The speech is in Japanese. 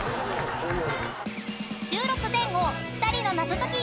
［収録前後２人の謎解き